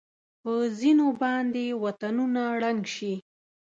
په ځېنو باندې وطنونه ړنګ شي.